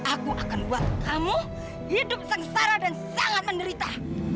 aku akan buat kamu hidup sengsara dan sangat menderita